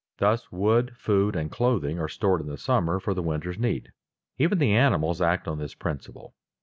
Thus wood, food, and clothing are stored in the summer for the winter's need. Even the animals act on this principle.